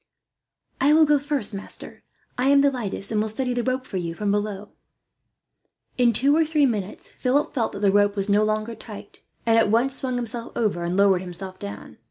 "I will go first, master. I am the lightest, and will steady the rope for you, from below." In two or three minutes Philip felt that the rope was no longer tight, and at once swung himself over and lowered himself down.